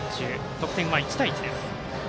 得点は１対１です。